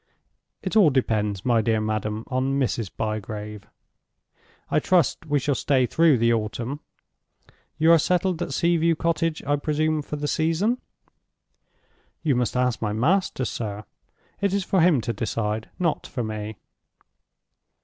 "It all depends, my dear madam, on Mrs. Bygrave. I trust we shall stay through the autumn. You are settled at Sea view Cottage, I presume, for the season?" "You must ask my master, sir. It is for him to decide, not for me."